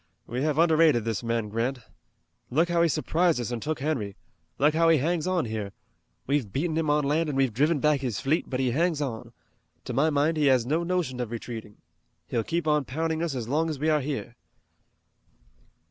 We have underrated this man Grant. Look how he surprised us and took Henry! Look how he hangs on here! We've beaten him on land and we've driven back his fleet, but he hangs on. To my mind he has no notion of retreating. He'll keep on pounding us as long as we are here."